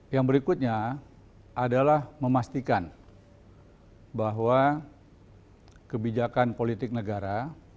yang berikutnya adalah memastikan bahwa kebijakan politik negara